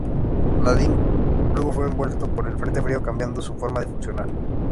Nadine luego fue envuelto por el frente frío, cambiando su forma de funcionar.